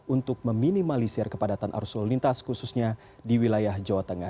untuk meminimalisir kepadatan arus lalu lintas khususnya di wilayah jawa tengah